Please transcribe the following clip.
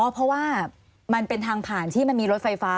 เพราะว่ามันเป็นทางผ่านที่มันมีรถไฟฟ้า